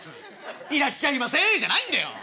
「いらっしゃいませえ」じゃないんだよ。